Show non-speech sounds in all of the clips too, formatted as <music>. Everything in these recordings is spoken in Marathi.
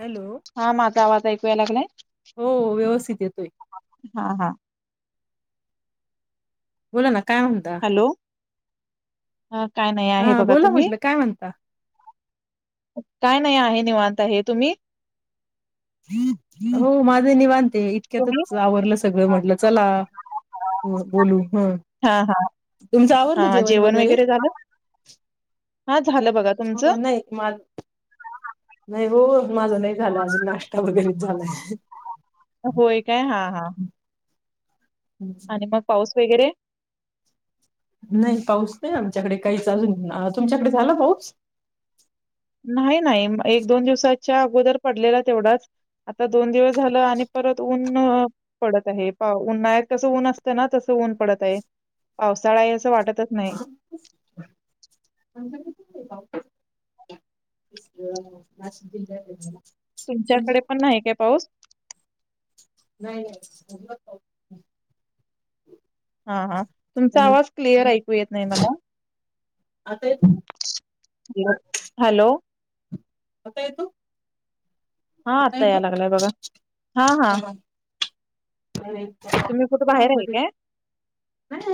हॅलो. हा माझा आवाज ऐकूया लागलाय हो व्यवस्थित येतोय हा हा बोला ना काय म्हणता अ काय नाही आहे हा बघा बोला तुम्ही म्हटलं काय म्हणता. काय नाही आहे निवांत हे तुम्ही हो माझं निवां ते तुम्ही इतक्यातच आवरलं सगळं म्हटलं चला बो बोलू ह हा हा तुमचं आवरलं हा हा जेवण वगैरे झालं हा झालं बघा हो तुमचं नाही मा नाही हो. माझं नाही झाल अजून नाष्टा वगैरे. झालंय. होय काय हा हा. आणि मग पाऊस. वगैरे. नाही पाऊस नाही आमच्याकडे काहीच अजून तुमच्याकडे झाला पाऊस. नाही नाही एक दोन दिवसाच्या अगोदर पडलेला तेवढाच आता दोन दिवस. झालं आणि परत ऊन. ऊन पडत आहे पा उन्हाळ्यात कस ऊन असतं ना तस ऊन पडत आहे पावसाळा यस. वाटतच नाही. आमच्याकडे पण नाही पाऊस. नाशिक जिल्हयाच. तुमच्याकडे पण नाही काय पाऊस. नाही नाही होता पाऊस. हा हा तुमचा हॅलो. आवाज क्लिअर ऐकू येत नाही म. आता येतो हॅलो. आता येतो. हा आता याय लागलाय बघा हा हा. नाही नाही तुम्ही कुठे बाहेर आहे काय?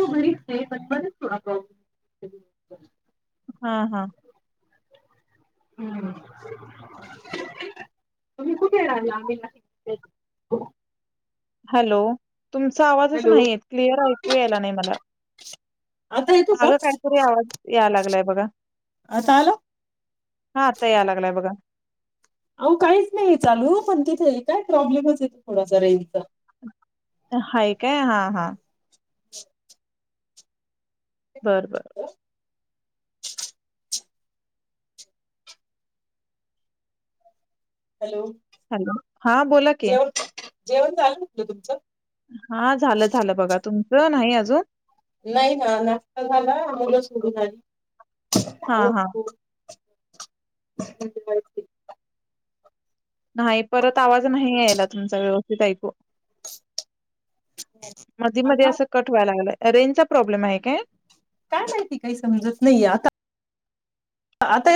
घरीच हाय. ह <unintelligible> हा हा हम्म तुम्ही कुठे राहिले आम्ही नाशिकचे. हॅलो. तुमचा आवाजच हॅलो नाहीेत क्लिअर ऐकू यायला नाही मला.. आता येतो का मागं काहीतरी आवाज या लागलाय बघा. आता आला हा आता या लागलाय बघा. अहो काहीच नाही चालू पण तिथे काय प्रॉब्लेमच आहेे थोडासा रेंजच्या. हाय काय हा हा. <unintelligible> बर बर. हॅलो हॅलो हा बोला की. जेवण जेवण जाल म्हटल तुमचं. हा झालं झालं बघा तुमचं नाही अजून? नाही ना नाश्ता झाला हा <unintelligible> हा <unintelligible> <unintelligible> नाही परत आवाज नाही यायला, तुमचा व्यवस्थित ऐकू. मधी मधी आता असं कट व्हाय लागलायं. रेंज चा प्रॉब्लेम आहे काय? काय माहिती काही समजत नाहीे. आता आता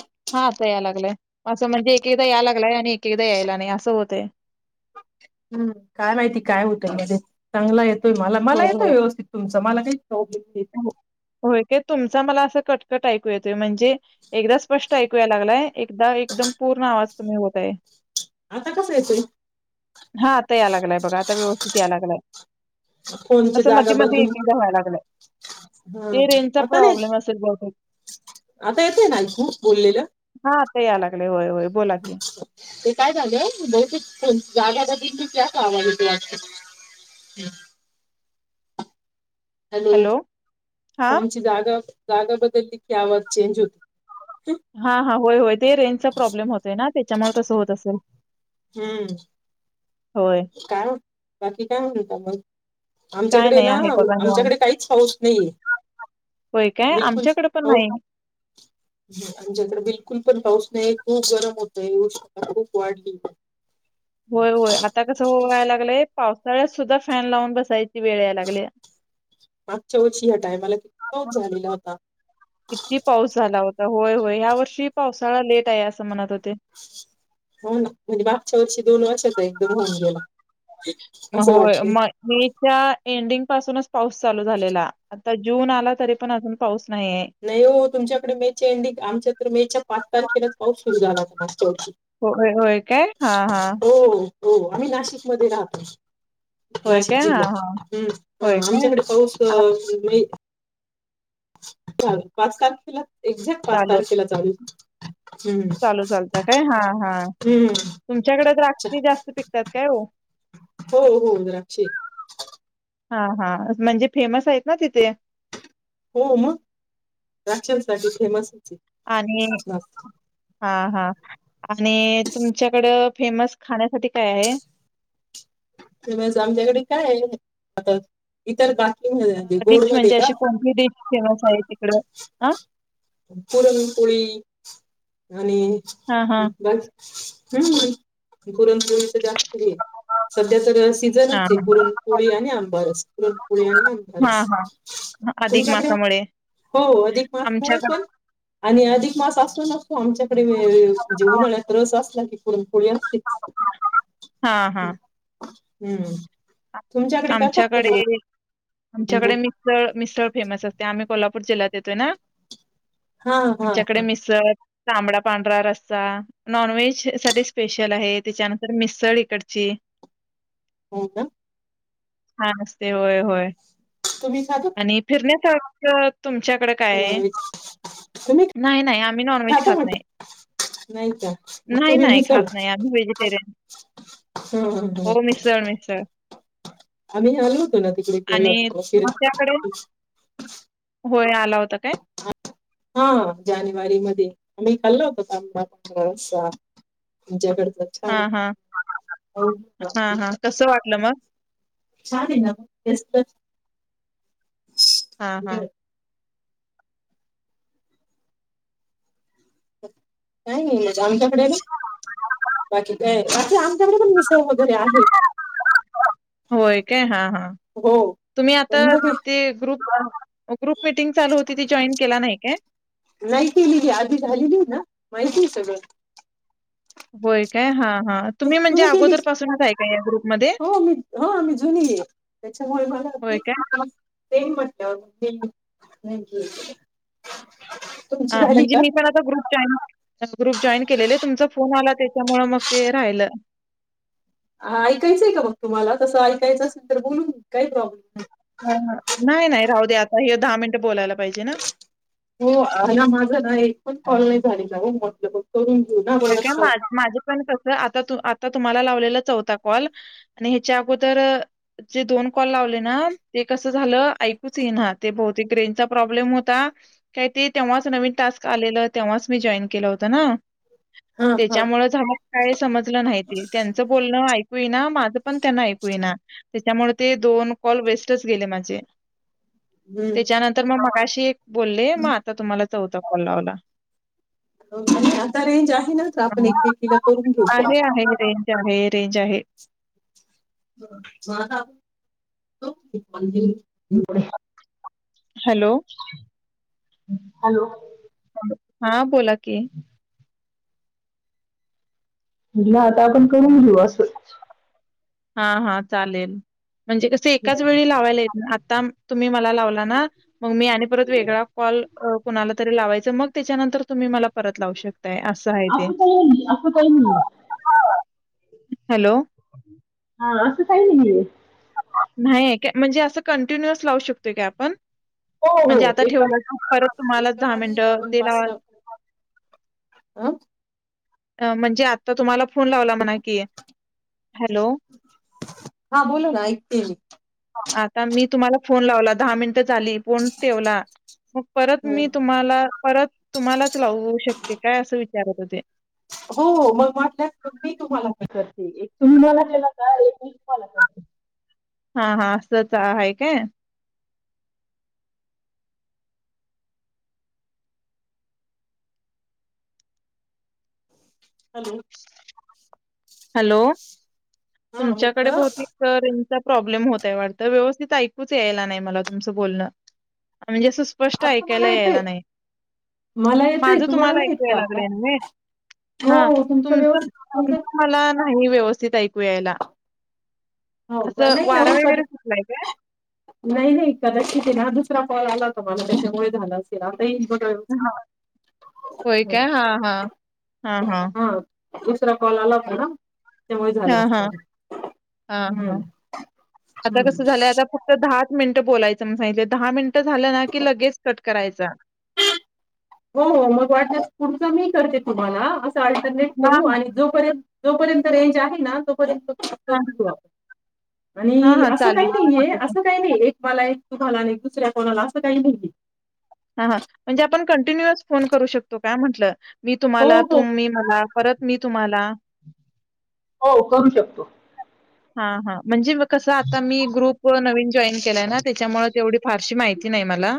<unintelligible> हां आता याय लागलंय असं म्हणजे एकेकदा याय लागलंय आणि एकेकदा यायला नाही असं होतंय. हम्म काय माहिती काय होतं मधेच चांगलं ये तोय मला होय येतो होय व्यवस्थित तुम हो <unintelligible> <unintelligible> होय तुमचा मला असं कट कट ऐकू येतोय म्हण जे एकदा स्पष्ट ऐकू याय लागलंय एकदा एकदम पूर्ण आवाज कमी होत आहे. आता कसा येतोय हां आता याय लागलाय बघा आता व्यवस्थित याय लागलाय. फोनची असं जागा मधी मधी बदलून एक एकदा व्हायला लागलाय. हा ते रेंजचा आता नाही प्रॉब्लेम असेल बहुतेक. आता येतोय ना ऐकू बोललेलं? हा आता याय लागलय होय होय बोला की. अच्छा. काय झालंय बहुतेक फोनची जागा बदलली की असा आवाज येतोय वाटतं. हॅलो? हा फोनची जागा जागा बदलली की आवज चेंज हो हा हा होय होय, ते रेंजचा प्रॉब्लेम होतय ना, त्याच्यामुळे तसं होत असेल. हम्म होय काय म बाकी, काय म्हणतात आपण? काय आमच्याकडे नाही ना आहे बघा निवांत. आमच्याकडे काहीच पाऊस नाहीये. होय काय बिलकुल आमच्याकडे पण पाऊ- नाही आमच्या कडे बिलकुल पण पाऊस नाही खूप गरम होतय, उष्णता खूप वाढली. होय होय, आता कसं हो व्हायला लागलंय. पावसाळ्यात सुद्धा फॅन लावून बसायची वेळ याय लागल्या. मागच्या वर्षी ह्या टायमाला किती पाऊस झालेला होता? किती पाऊस झाला होता होय होय, ह्या वर्षी पावसाळा लेट आहे असं म्हणत होते. हो ना म्हणजे, मागच्या वर्षी दोन वर्षाचा एकदम होऊन गेला. असं म-होय, वाटलंय. मे च्या एडिंग पासूनच पाऊस चालू झालेला, आता जून आला तरी पण अजून पाऊस नाहीये नाही हो तुमच्याकडे मे एंडिंग आमच्या तर मेच्या पाच तारखेलाच पाऊस सुरू झाला मागच्या वर्षी. हो होय काय हा हा हो हो आम्ही नाशिकमध्येध्ये राहतो होय नाशिक काय हा जिल्ह्यात हा हम्म ह होय काय आमच्याकडे पाऊस आज नाही चाल पाच तारखेला एक्झॅक्ट पाच चालू तारखेला चालू हम्म. चालू चालत काय हा हा हम्म. तुमच्याकडे अच्छा. द्राक्षी जास्त पिकतात काय हो हो हो द्राक्षे. हा हा म्हणजे फेमस आहेत ना तिथे हो मग रासाठी फेमस ब हा हा आणि तुमच्याकड फेमस खाण्यासाठी काय आहे ज आमच्याकडे काय आहे आता इतर अ म्हणजे डिश म्हणजे अशी कोणती डश तेव पुरणपुळी <inaudible> आणि हां हां. बा हम् पुरणपोळी तर जास्त आहे सध्या तर हां सीझनच आहे हां. पुरणपोळी आणि आंबारस पुरणपोळी आणि हां आंबारस हां अधिक तुमच्याकडे मासामुळे हो अधिक मासमुळे आमच्याकडे पण आणि अधिक मस असतू नसतो आमच्या म्हणजे उन्हा्यात रस असला की हो पु हां हां. हम्म तुमच्याकडे काय फक्त आमच्याकडे पुरन आमच्याकडे मिस्सळ मिस्सळ फेमस असते आम्ही कोल्हापूर पूर जिल्ह्यात येतोय ना हा हा आमच्याकडे हा मिसळ तांबडा पांढरा रस्सा नॉनव्हेज साठी स्पेशल आहे त्याच्यानंतर मिसळ इकडची हो का हा ते होय होय तुम्ही खातात आणि फिरण्या साक्षात तुमच्याकडे काय का आहे नॉनव्हेज तुम्ही नाही नाही आम्ही नॉन व्हेज खाता खात नाही म्हटलं नाही का मग नाही तुम्ही नाही मिसळ खात नाही आम्ही व्हेजिटेरियन ह हो मिसळ मिसळ आम्ही आलो होतो ना तिकडे आणि कोल्हापूरला तुमच्याकडे फिरायला होय आला होता काय हा जानेवारी मध्ये आम्ही खाल्लो होतो तांबडा पांढरा रसा हा हा हा होता. हा कस वाट म छान आहे ना टेस्ट हा हा काय हे आमच्याकडे ना बाकी पण मिसळ वगैरे आहे होय काय हा हा हो तुम्ही आता पण मग हे ते गुप ग्रुप मटिंग चालू होती त जॉईन केला नाइ का का नाही के केलीली आधी झालेली आहे ना माहितीय सगळं होय काय हा तुम्ही केली ग्रुपमध्ये? हो मी हो मी जुनीय त्याच्यामुळे मला होय तेच काय? प्रेट <unintelligible> आ म्हणजे मी पण आता ग्रुप जॉईन ग्रुप जॉईन केलेले तुमचा फोन आला त्येच्यामुळे मग ते राहिल हा ऐकायचंय काय मग तुम्हाला तसं ऐकायचं असेल तर बोलून काही प्रॉब्लेम नाही ह नाय नाय राहू दे आता हे दहा मिनट बोलायला पाहिजे ना. हो ह ना माझ नाही पण कॉल नाही झालेय जाऊन बघते मग होय काय माझं पण कस आता तू अता तुम्हाला लावलेला चौथा कॉल आणि ह्याच्या अगोदर जे दोन कॉल लावले ना ते कसं झालं ऐकूच येई ना ते बहतेक ग्रेनचा प्रॉब्लेम होता काही ते तेव्हाच नवीन टास्क आलेलं तेव्हाच मी जॉईन केलं होत ना हा हा त्याच्यामुळेच काय समजलं नाही ते त्यांचं बोलणं ऐकू येईना ना माझं पण त्यांना ऐकू येईना त्याच्यामुळे ते दोन कॉल वेस्टच गेले माझे हम्म त्याच्यानंतर मग मगाशी <inaudible> बोलले मग आता तुम्हाला चौथ <unintelligible> <inaudible> रेंज आहे ना तर आपण एकमेकीला करून घेऊ कोण आहे आहे रेंज आहे रेंज आहे <unintelligible> हॅलो हॅलो हा बोला की म्हणलं आता आपण करून घेऊ असंच हा हा चालेल म्हणजे कसं एकाच वेळी लावायला येत आता तुम्ही मला लावला ना मग मी आणि परत वेगळा कॉल कुणाला तरी लावायच मग त्याच्यानंतर तुम्ही मला परत लावू शक <unintelligible> हा असं काही हॅलो नाहीये नाहीये काय म्हणजे असं कंटिन्युअस लावू शकतोय काय आपण हो म्हणजे हो आता ठेवलं तर तुम्हालाच एका दहा मागे मिनट एक आपण तेला पाच सहा अ म्हणजे आता तुम्हाला फोन लावला म्हणा कि हा बोल ना ऐकतीये मी ता मी तुम्हाला फोन लावला दहा मिन ट झाली फोन ठेवला मग परत मी हम्म तुम्हाला परत तुम्हालाच लावू शकते काय असं विचारत होते. हो मग वाटल्यास मग मी तुम्हाला आता करते, एक तुम्ही मला केला ना एक मी तुम्हाला करते. हा हा असंच हाय काय हॅलो हॅलो हा तुमच्याकडे म्हटलं बहुतेक रें चा प्रॉब्लेम होतोय वाटतं व्यवस्थित ऐकूच यायला नाही मला तुमच बोलण म्हणजे सुपष्ट आता ऐकायला मला यायला येतय. नाही मला माझ येतय तुम्हाला नाही ऐकू येत याय का आता? लागलंय ना हो तुमचं व्यवस्थित नीट तुमचं मला नाही व्यवस्थित ऐकू यायला हाऊ का असं वारा नाही वगैरे सुटलाय काय <unintelligible> नाही नाहीं कदाचित हा दुसरा कॉल आला होता मला त्याच्यामुळे झालं असेल. येईल बघा होय व्यवस्थित काय हा हा हा हा. दुसरा कॉल आला होता ना? च्यामुळे झाल असेल. हां हा हम्म आता कस हम्म झालय आता फक्त दहा मिनटं बोलायचं म्हणून संगितलय दहा मिनट ट झालं ना की लगेच कट करायचा हो हो मग वाटल्यास पुढचा मी करते तुम्हाला अस असं आल्टरनेट हां करू हां आणि जोपर्यंत जोपर्यंत रेंज आहे ना तोपर्यंत हां <unintelligible> हां आणि हां असं चालेल काही नाहीये, असं काही नाहीये मला एक तुम्हाला आणि दुसऱ्या कोणाला असं काही नाहीये. हा हा म्हणजे आपण कंटिन्युअस फोन करू शकतो, काय म्हटलं? मी हो तुम्हाला हो तुम्ही मला परत मी तुम्हाला. हो करू शकतो. हां हां. म्हणजे व कसं आता मी ग्रुप नवीन जॉईन केलाय ना, त्याच्यामुळे तेवढी फारशी माहिती नाही मला.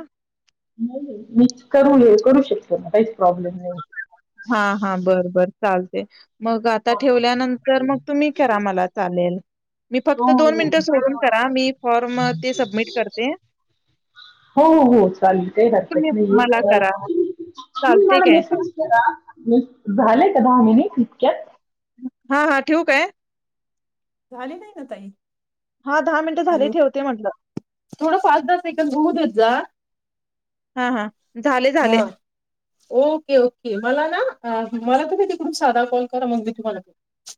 नाही, नाही, मी करू करू शकतो ना काहीच प्रॉब्लेम नाही. हां हां बर बर. चालतंय. मग आता ठेवल्यानंतर मग तुम्ही करा मला चालेल. मी हो फक्त दोन हो मिनिटं हो. सोडून करा मी फॉर्म अ, ते सबमिट करते. हो हो हो चालेल का ही हरकत तुम्ही नाहीये. मला करा तुम्ही चालते मला काय? मेसेज करा मी झाले त दहा मिनिट इतक्यात. हां हां ठेवू काय? झाले नाही ना ताई? हा दहा मिनिटं झाले हॅलो ठेवते म्हटलं. थोडं पाच दहा सेंकद होवू देत जरा हां हां झाले झाले. हा ओके ओके मला ना अ मला तुम्ही तिकडून साधा कॉल करा मग मी तुम्हाला करते.